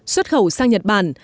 xuất khẩu sang nhật bản